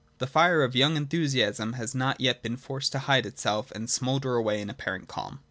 The fire of young enthusiasm has not yet been forced to hide itself and smoulder away in apparent calm.